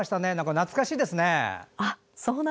懐かしいですね。